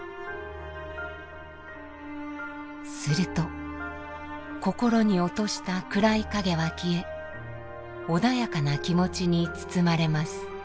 すると心に落とした暗い影は消え穏やかな気持ちに包まれます。